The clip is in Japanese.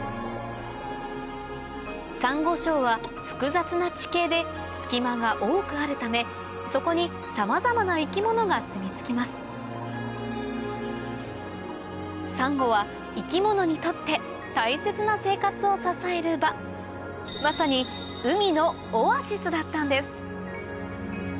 サンゴ礁は複雑な地形で隙間が多くあるためそこにさまざまな生き物がすみつきますサンゴは生き物にとって大切な生活を支える場まさに海のオアシスだったんです